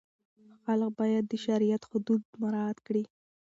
خلع باید د شریعت حدود مراعت کړي.